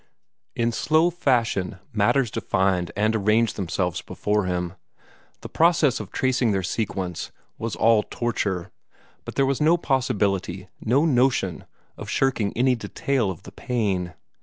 In slow fashion matters defined and arranged themselves before him. The process of tracing their sequence was all torture, but there was no possibility, no notion, of shirking any detail of the pain.